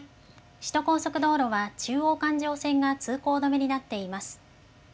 首都高速道路は中央環状線が通行止めになっています。